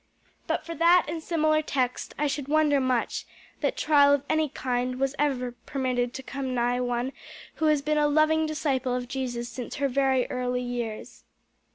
But for that and similar texts I should wonder much that trial of any kind was ever permitted to come nigh one who has been a loving disciple of Jesus since her very early years."